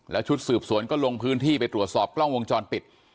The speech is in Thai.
แล้วชุดสืบสวนก็ลงพื้นที่ไปตรวจสอบกล้องวงจรปิด